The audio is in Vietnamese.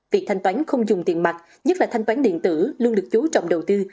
việc thanh toán không dùng tiền mặt nhất là thanh toán điện tử luôn được chú trọng đầu tư